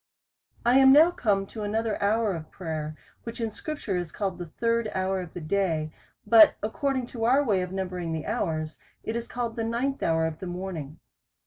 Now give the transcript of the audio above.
I AM now come to another hour of prayer, which in scripture is called the third hour of the day ; but according to our way of numbering the hours, it is called the ninth hour of the morning.